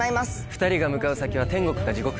２人が向かう先は天国か地獄か。